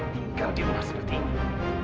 tinggal di rumah sedetik